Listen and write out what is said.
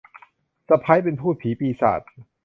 สะใภ้เป็นภูตผีปีศาจ